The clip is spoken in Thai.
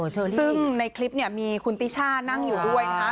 ซึ่งในคลิปเนี่ยมีคุณติช่านั่งอยู่ด้วยนะคะ